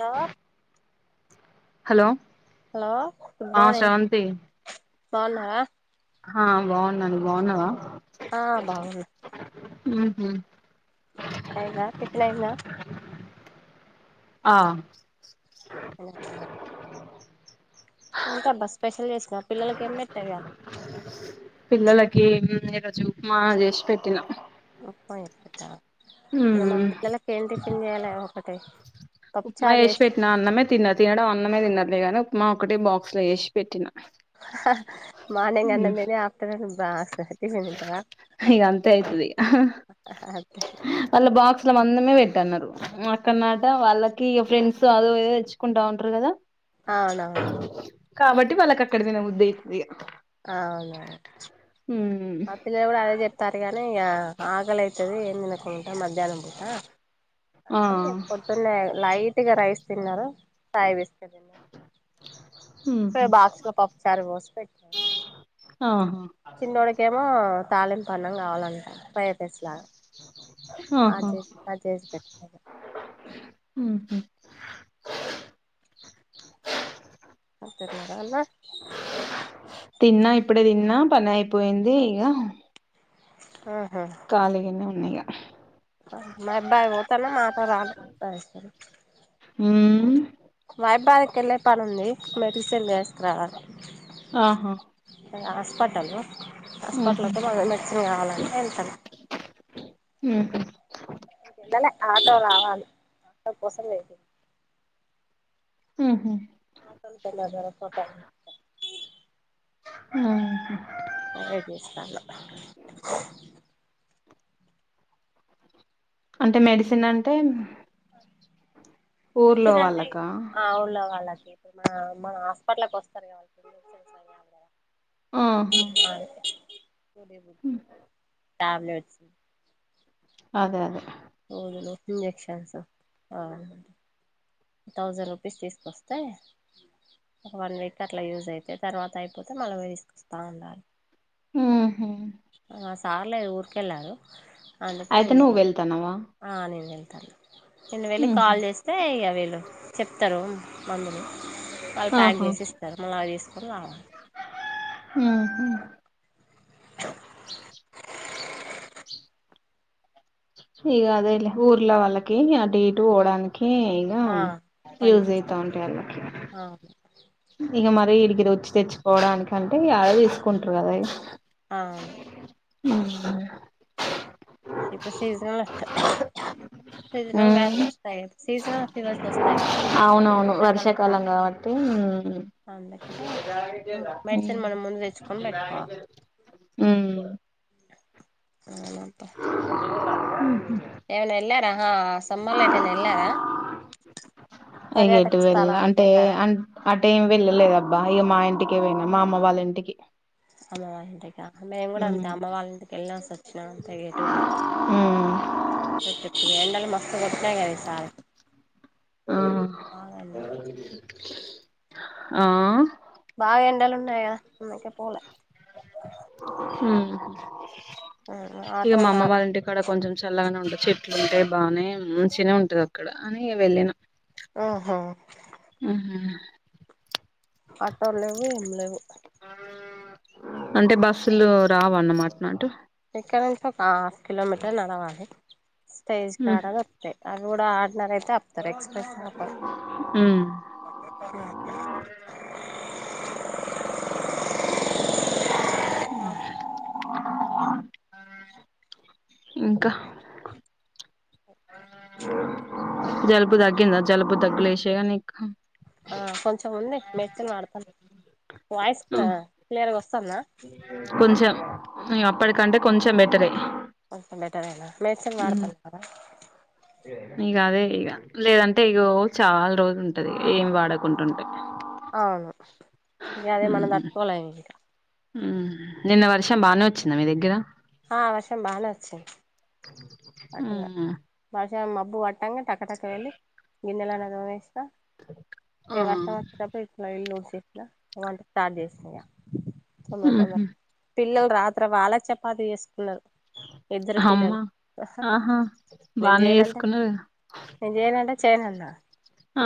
Hello hello hello good ఆ morning Sravanthi బాగున్నారా హా బాగున్నా నువ్వు బాగున్నావా ఆ బాగున్నా ఊ హుం అయిందా పికిల్ అయిందా ఆ అ ఏంటబ్బా స్పెషల్ చేసినవ పిల్లలకేం పెట్టవ్ ఇవాళ పిల్లలకి ఏం ఈరోజు ఉప్మా చేశి పెట్టినా ఉప్మా చేశి పెట్టావా ఇగ మా ఉమ్ పిల్లలకేం టిఫిన్ చేయలేదు ఒకటి ఉప్మా పప్పుచారు చేశి చేసిన పెట్టినా అన్నమే తిన్నరు తినడం అన్నమే తిన్నర్లే గానీ ఉప్మా ఒకటి బాక్స్ లో ఏశి పెట్టిన హహా మార్నింగ్ అన్నం తిని ఆఫ్టర్నూన్ బాక్స్ టిఫిన్ తింటవా ఇగ అంతే అయితది ఇగ హహహా అంతే వాళ్ళ బాక్స్ల మందమే పెట్టన్నరు అక్కన్నాట వాళ్ళకి ఫ్రెండ్స్ అదో ఇదో తెచ్చుకుంటా ఉంటరు కదా అవునవును కాబట్టి వాళ్ళకక్కడ తినబుద్ధయితదిగ ఆ అవును ఉం మా పిల్లలు కూడ అదే చెప్తార్రు కనీ ఇగ ఆకలై తది ఏం తినకుంటా మధ్యాహ్నం పూట ఆ అనీ [inaudible] కొన్నే లైట్గ రైస్ తిన్నాను [unintelligible] ఇప్పుడే ఉహు బాక్స్ లో పప్పుచారు పోసి పెట్కున్న ఆహా చిన్నోడికేమో తాళింపన్నం కావాలంటా ఫ్రైడ్రైస్ లాగా ఆ [unintelligible] ఉం హుం వస్త తియ్యరాదన్న తిన్నా ఇప్పుడే తిన్నా పనయిపోయింది ఇగ ఆహా ఖాళీగనే ఉన్నిగ [unintelligible] ఊమ్ మైబ్బాద్ కెళ్ళే పనుంది మెడిసెన్ తేస్కరావాలి ఆహా హాస్పిటల్ హాస్పిటల్ ఊహూ హాస్పిటల్కి మెడిసిన్ కావాలంటే వెళ్తున్న ఉంహుం లెలే ఆటో రావాలి ఆటో కోసం వెయిటింగ్ ఉంహుం [unintelligible] ఉంహుం అయే చూస్తాన అంటే మెడిసిన్ అంటే ఊర్లో [unintelligible] వాళ్ళకా ఆ ఊళ్ళో వాళ్ళకి మన మన హాస్పిటల్కోస్తరు కద ఉంహుం ట్యాబ్లెట్స్ అదే అదే [inaudible] ఇంజెక్షన్స్ తౌసెండ్ రూపీస్ తీసుకొస్తే ఒక వన్ వీక్ అట్లా యూజ్ అయితే తర్వాత అయిపోతే మళ్ళీ తీస్కొస్తా అన్నారు. ఉహ్ మా సార్ లేరు ఊరికెళ్ళారు. అందుకే అయితే నువ్వు నేను వెళ్తాన్నావా ఆ నేను వెళ్తాను. నేను వెళ్ళి ఊహూ కాల్ చేస్తే ఇగ వీళ్ళు చెప్తారు. ఊ మందులు వాళ్ళు ప్యాక్ చేసి ఇస్తారు మళ్ళా తీసుకొనిరావాలి ఉహ్ [inaudible] [inaudible] ఇగ అదే లే ఊర్లో వాళ్ళకి అటు ఇటు ఓడానికి ఆ [unintelligible] పండి ఇగ మరి ఈడికి వచ్చి తెచ్చుకోవడానినికి అంటే అడా తీసుకుంటారు కదా అవును అ [inaudible] ఇప్పు సీజనల్ సీజనల్ ఉమ్ వ్యాధులు వస్తాయి. సీజనల్ ఫీవర్స్ వస్తాయి. కదా అవునవును రకరకాల వర్షాకాలం స్టార్ట్ ఐతేయి మెడిసిన్ మనం ముందు తెచ్చుకొని పెట్టుకోవాలి [unintelligible] ఆ [unintelligible] ఎవలంట అ ఏవన్నా ఏళ్ళరా, ఆహా సమ్మర్ లో ఎటైనా ఎల్లేరా పర్యాటక స్థలాలకు ఎల్లారా అటు ఎం వెళ్లలేదు ఇక మా ఇంటిక పోయినా మా అమ్మ వాళ్ళ ఇంటికి అమ్మ వాళ్ళ ఇంటికా, మేము కూడా ఉమ్ అంతే అమ్మ వాళ్ళ ఇంటికి వెళ్ళేసి వచ్చినం అంతఇగ ఎటు పోలే ఉమ్ ట్ [unintelligible] ఎండలు మస్తు కొట్టినాయి. కదా ఈసారీ ఆ బాగా అన్నారు. ఆ బాగా ఎండలు ఉన్నాయికద ఉన్నాయి అందుకేపోలే ఇక మా ఆటోలు అమ్మ రాలే వాళ్ళంటిక్కడ కొంచెం చల్లగానే ఉంటది చెప్ప అట్లుంటే బానేయి మంచిగానే ఉంటది అక్కడ అని వెళ్ళిన ఓహ్ ఆహ ఆటోలు లేవు ఏమి లేవు అంటే బస్సులు రావన్న మాటనా ఆటు ఇక్కడ నుంచి ఒక హాఫ్ కిలోమీటర్ నడవాలి. స్టేజ్ ఉమ్ కాడ అే అది కూడా ఆర్డినరీ అయితే ఆపుతారు. ఎక్స్ప్రెస్ ఆపారు. ఉమ్ ఇంకా జలుబు తగ్గిందా. జలుబు తగ్గులేషేగా నీకు ఆ కొంచెం ఉంది. మెడిసిన్ వాడుతున్న వాయిస్ ఉమ్ క్లియర్గా వస్తుందా కొంచెం, ఇగ అప్పటికంటే కొంచెం బెటరే కొంచెం బెట్టేరేనా మెడిసిన్ ఉమ్ వాడుతున్నా కదా ఇగ అదే ఇగ లేదంటే ఇగో చాలా రోజులు ఉంటది ఏమి వాడకుంటుంటే అవును ఇంకా అదే ఉమ్ మనం తట్టుకోవలేం నిన్న వర్షం బానే వచ్చిందా మీ దగ్గర ఆ వర్షం బానే వచ్చి పట్టదు ఉమ్ వర్షం మబ్బు పట్టంగా టక టక వెళ్ళి గిన్నెలు అన్ని తోమేసిన ఆ ఏ వర్షం వచ్చేటప్పుడు ఇట్లా ఇల్లు ఊడిచేసిన వంట స్టార్ట్ చేసిన ఇగ తొందర తొందర ఉహు పిల్లలు రాత్రి వాలే చపాతి చేసుకున్నారు ఇద్దరు పిల్లలు అమ్మా ఆహా నేను బానే చేయనంటే చేసుకున్నారు నేను చేయనంటే చేయనన్న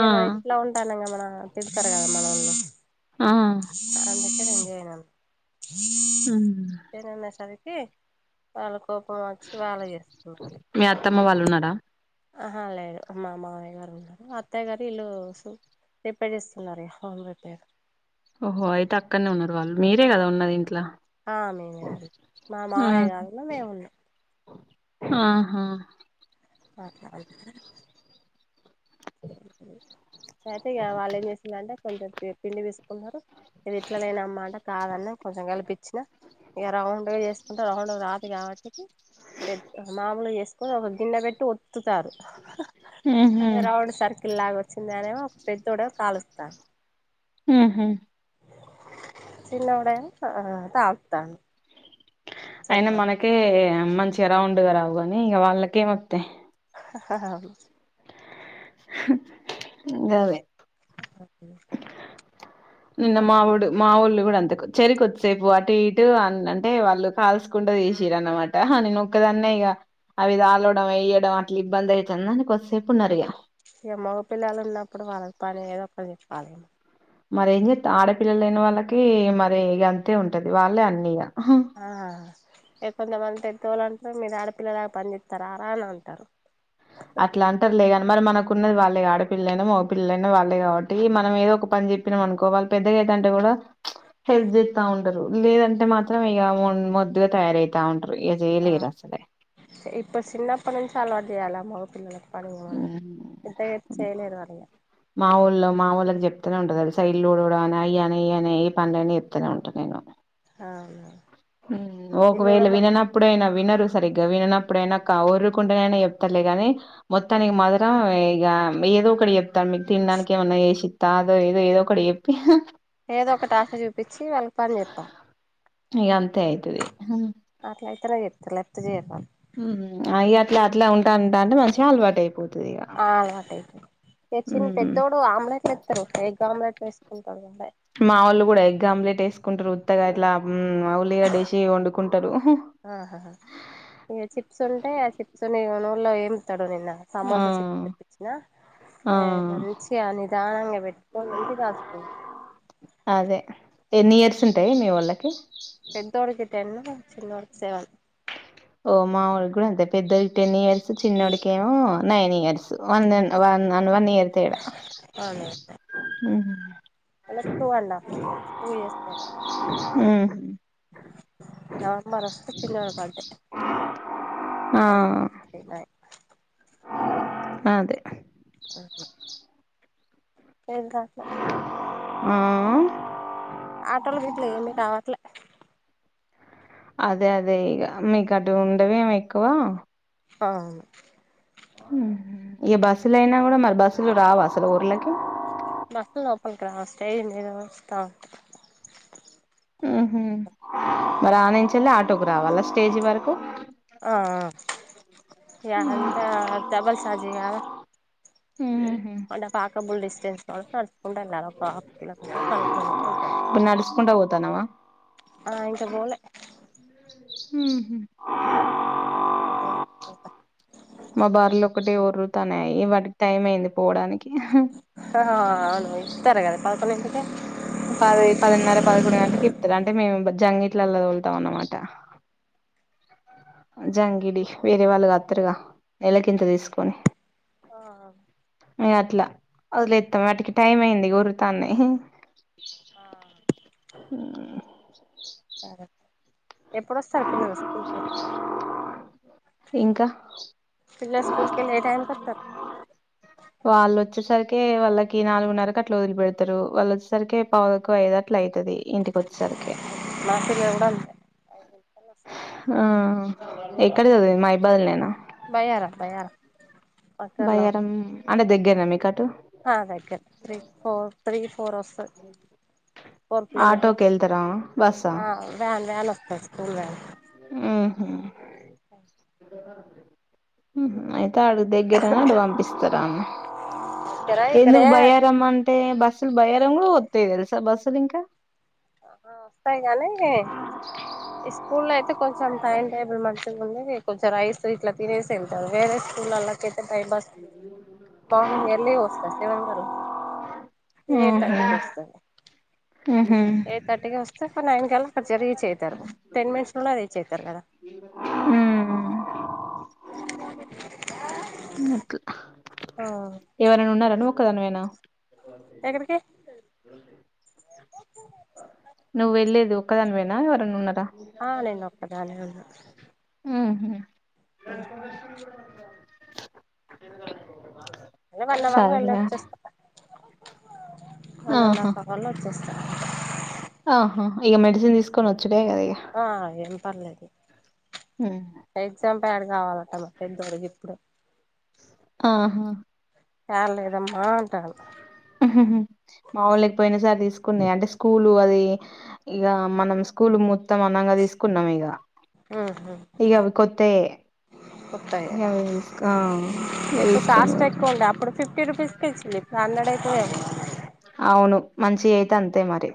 ఆ మన ఇంట్లో ఉంటానం మన తిడతారు కదా మనొళ్ళు ఆ రండట ఎంజానాను [inaudible] అమ్ చేయననేసరికి వాళ్ళ కోపం వచ్చి వాళ్లే చేసుకున్నారు మీ అత్తమ్మ వాళ్ళు ఉన్నారా ఆహా లేరు మా మావయ్య గారు ఉన్నారు అత్తయ్య గారు ఇల్లు సు రిపేర్ చేస్తున్నారే హోమ్ రిపేర్ ఓహో అయితే అక్కడనే ఉన్నారు వాళ్ళు మీరే కదా ఉన్నది ఇంట్లో. ఆ మేమే ఉన్నాం మా మావయ్య కాదు మేము ఉన్నాం ఆహా బ [inaudible] అయితే ఇక వాళ్ళ ఏం చేసిందంటే కొంచెం పిండి పిసుకు వున్నరు ఇది ఇట్లా లేనమ్మా అంటే కాదన్న కొంచెం కలిపించిన ఇక రౌండ్ చేసుకుంటే రౌండ్ రాదు కాబట్టి. పెద్ మామూలు చేసుకొని ఒక గిన్నె పెట్టి ఒత్తుతారు ఉహు అది రౌండ్ సర్కిల్ లాగా వచ్చింది అనే ఒక పెద్దోడు కాలుస్తా ఉహు చిన్నోడేమో ఆ హ తావుత్తా అయినా మనకే మంచిగా రౌండ్గా రావు గాని ఇగ వాళ్ళకేమొత్తాయి గదే ఓకే [inaudible] నిన్న మావోడు మా వోళ్ళు కూడా అంతే చెరి కొద్దిసేపు అటు ఇటు అ అంటే వాళ్ళు కాల్సుకుంటది తీసిన్రు అన్నమాట అహా నేనుక్కదాన్నే ఇక అవి కాలడం వేయ్యడం అట్లా ఇబ్బంది అవుతుంద అని కొసేపు ఉన్నారు ఇక ఈ మగ పిల్లలు ఉన్నప్పుడు వాళ్ళకి పని ఏదొ అప్పచెప్పాలి మరి ఏంచెత్తవ్ ఆడపిల్లలు లేని వాళ్ళకి మరి ఇగ అంతే ఉంటది వాళ్ళే అన్ని ఇగ అ కొంతమంది పెద్దోళ్ళు అంటరు మీరు ఆడపిల్లలాగా పనిచేత్తరార అని అంటరు అట్ల అంటరు లే కాని మరి మనకున్న వాళ్ళే ఆడపిల్లలైనా మగ పిల్లలైనా వాళ్ళే కాబట్టి మనం ఏదో ఒక పని చెప్పి చెప్పినవ్ అనుకో వాళ్ళ పెద్దగా అయితుంటే కూడా హెల్ప్ చేత్తా ఉంటారు లేదంటే మాత్రం ఇక మొద్దుగా తయారైతా ఉంటారు జేయ్యలేరు అసలే ఇప్ప చిన్నప్ప నుంచి అలవాటు చేయాల మగ పిల్లలకు పని ఇగ మనం పెద్దగ అయితే చేయలేరు వాళ్లు మా ఊళ్లో మా వొళ్ళకి చెప్తూనే ఉంటుంది సైడ్లు ఉడవడం అని అయ అని ఇయ అని ఈ పనుల అని చెప్తూనే ఉంటాను నేను అ అవునా ఉమ్ ఓక వేళ విననా ఎప్పుడైనా వినరు సరిగ్గా విననప్పుడైనా కౌరుకుంటేనాయినా చెప్తారులే గానీ మొత్తానికి మాదె క ఇగ ఏదో ఒకటి చెప్తాడు మీకు తినడానికి ఏమన్నా చేసిస్తా అదో ఏదో ఏదో ఒకటి చెప్పి ఏదో ఒకటి ఆశ చూపించి వెళ్ళకు పని చెప్పా ఇగ అంతే అయితది అట్లా ఆయితేరే చెత్తారు లేకపోతే చేయరు వాళ్ళు ఉమ్ హమ్ అవి అట్లా అట్లా ఉంటా అంట అంటే మంచిగా అలవాటు అయిపో అలవాటైపోతది ఎ చిన్ పెద్దోడు ఆమ్లెట్లు ఇస్తాడు ఎగ్ ఆమ్లెట్ల వేసుకుంటాడు అబ్బాయి మా వాళ్ళు కూడా ఎగ్ ఆమ్లెట్ వేసుకుంటరు ఉత్తగా అట్లా ఉమ్ ఆ ఉల్లిగడ్డ వేసి వండుకుంటారు ఆహహ ఇంక చిప్స్ ఉంటే ఆ చిప్స్ని నోర్లో ఏయమంటాడు నిన్న సమోసా చెప్ప ఆ తెప్పించిన ఆ అ మంచిగా నిదానంగా పెట్టుకొని మంచిగా దాచుకున్న అదే ఎన్ని ఇయర్స్ ఉంటాయి మీ వాళ్ళకి పెద్దోడికి టెన్ చిన్నోడికి సెవెన్ ఓ మా వాళ్ళు కూడా అంతే పెద్దది టెన్ ఇయర్స్ చిన్నోడికి ఏమో నైన్ ఇయర్స్ వన్ ఎన్ వన్ నన్ వన్ ఇయర్ తేడా ఉమ్ మనకు two and half years two years తేడా ఉమ్ హమ్ నా అమ్మా రస తిప్పిది ఏమన అంటే అమ్మ ఎయిట్ నైన్ ఆ అదే అ హా ఇంకా ఉమ్ ఆటలు గీటలు ఏమి రావట్లే అదే అదే ఇగ మీకు అటు ఉండవేమో ఎక్కువ ఆ ఉమ్ ఇ బస్సులయినా కూడా మరి బస్సులు రావా అసలు ఊర్లకి బస్సు లోపలికి రావు స్టేషన్ మీద వస్త ఉమ్ హమ్ మరి ఆడ నుంచి వెళ్ళి ఆటోకు రావాలా స్టేజీ వరకు ఆ ఉమ్. ఎంత డబల్ చార్జీ ఇవ్వాళ్ళ ఉమ్ హమ్ అంటే వాకేబుల్ డిస్టెన్స్ కాబట్టి నడు ఉండన్నారు ఒక హాఫ్ కిలోమీటర్ వన్ కిలోమీటర్ ఉంటాయి ఇప్పుడు నడుచుకుంటా పోతానవా ఆ ఇంకా పోలే ఉమ్ హమ్ వోను మా బర్లు ఒకటే ఒర్రుతున్నాయి వాటికి టైం అయింది పోవడానికి అవును ఇత్తారు గదా పదకొండింటికి పది పదినర పదకూండు గంటకి ఇప్తారు అంటే మేము జంగిట్లలో తలుతాం అన్నమాట జంగిడి వేరే వాళ్ళుగా అత్తరుగా నెలకింత తీసుకొని ఆ అట్లా వదిలేస్తాం వాటికి టైం అయింది గురుతోంది హ సరే ఎప్పుడు వస్తారు పిల్లలు వస్త ఇంకా పిల్లలు, స్కూల్ కెళ్ళి ఏ టైం కి వస్తారు. వాళ్ళు, వచ్చేసరికి, వాళ్ళకి, నాలుగున్నరకి, అట్లా వదిలి, పెడతారు. వాళ్ళు, వచ్చేసరికి, పావు తక్కువ ఐదు అట్ల అవుతది. ఇంటికి, వచ్చేసరికికె, మా, చెల్లె, కూడా, అంతే, [unintelligible] హా, ఎక్కడ చదివింది. మహిబాద్, లేనా బయ్యారం బయ్యారం దగ్గరలో బయ్యారం, అంటే, దగ్గర, నా, మీకు అటు అ దగ్గరేనే త్రీ ఫోర్ త్రీ ఫోర్ వస్తది. ఫోర్ ఆటోకి కిలోమీటర్స్ వెళ్తారా బస్సా ఆ వ్యాన్ వ్యాన్ వస్తాది. స్కూల్ వ్యాన్ ఉహూ హ్మ్మ్ అయితే ఆడు దగ్గరనేటు పంపిస్తున్నారా, దగ్గర ఇక్కడే ఎందుకు బయ్యారం అంటే బస్ అటు బయ్యారం వస్తాయి తెల్సా బస్సులు ఇంకా ఆ వస్తాయికానీ ఈ స్కూ లో అయితే కొంచెం టైం టేబుల్ మంచిగా ఉంది. కొంచెం రైస్ ఇట్లా తినేసి వెళ్తాది. వేరే స్కూల్ లకు ఎ టైంస్ మార్నింగ్ ఎల్ వస్తా సెవెన్ కర్ల్ [unintelligible] ఎయిట్ థర్టీకి వస్తాది. హు ఎయిట్ థర్టీకి వస్తే ఓ నైన్ కల్లా కొంచెం రీచ్ అవుతారు. టెన్ మినిట్స్ లోనే రీచ్ అవుతారు కదా ఆ నికు ఆ ఎవరైనా ఉన్నారా నువ్వు ఒకదానివేన ఎక్కడికి అ నువ్వు వెళ్ళేది ఒక్కడనివేన ఎవరన్నా ఉన్నారా. ఆ నేను ఒకదానినే ఉన్నా హు వెళ్లే వాళ్ళు వెళ్ళి వచ్చేస్తారుా వన్ అండ్ ఆహా హాఫ్ అవర్ లో వచ్చేస్తా ఆహా ఇక మెడిసిన్ తీసుకొని వచ్చుడే కదా ఇగ ఆ ఏం పర్లేదు లెండి ఎగ్జామ్ ప్యాడ్ కావాలంట మా పెద్దోడికి ఇప్పుడు ఆహా చాలలేదమ్మా అంటాడు మా వోళ్ళకి పోయినసారి తీసుకున్నవి అంటే స్కూలు అది ఇగ మనం స్కూల్ మొత్తం అనంగా తీసుకున్నాం ఇక ఆహ ఇగ అవి కొత్తాయే ఇగ అవి తీస్కోఇగ ఇప్పుడు తిస్కోము కాస్ట్ ఇగ ఎక్కువ ఉండే అప్పుడు ఫిఫ్టీ రూపెస్ కే ఇచ్చింది. ఇపుడు హండ్రెడ్ అయితయి ఏమో అవును మంచియి అయితే అంతే మరి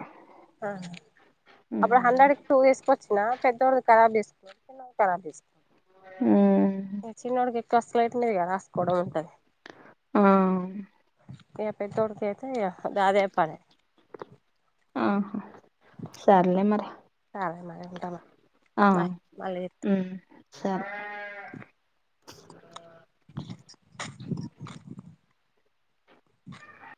అప్పుడు ఉమ్ హండ్రెడ్కి టూ తీేసుకొచ్చినా పెద్దోడికి కరబ్ చేసుకుంద సుఅ హ్మ్మ్ చిన్నోడుకి ఎక్కువ అస్లు అట్ందిది కాస్సుకోవ ఉంటది ఆ ప దొడతేతే దాదే పడే ఆహా సరలే మరి సరే మరి ఉంటా మరి ఆ బాయ్ మళ్ళీ చేత్తా సరే